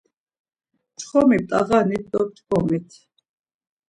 Mçxomi p̆t̆ağanit do p̆ç̌ǩomit.